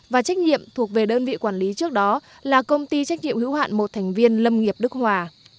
và trách nhiệm thuộc về đơn vị quản lý trước đó là công ty trách nhiệm hữu hạn một thành viên lâm nghiệp đức hòa